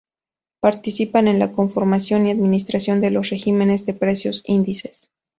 Participar en la conformación y administración de los regímenes de precios índices.